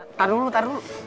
eh taruh dulu taruh dulu